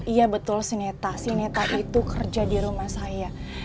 iya betul si neta si neta itu kerja di rumah saya